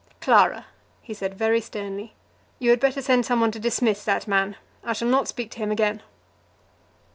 "Clara," he said very sternly, "you had better send some one to dismiss that man. I shall not speak to him again."